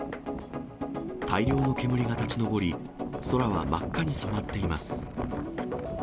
大量の煙が立ち上り、空は真っ赤に染まっています。